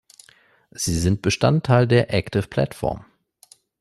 Sie ist Bestandteil der "Active Platform".